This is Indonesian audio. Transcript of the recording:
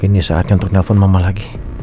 ini saatnya untuk nelfon mama lagi